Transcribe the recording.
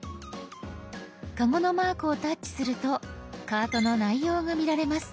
カゴのマークをタッチするとカートの内容が見られます。